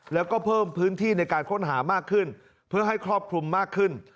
แล้วก็เพิ่มพื้นที่ในการค้นหามากขึ้นเพื่อให้ครอบคลุมมากขึ้น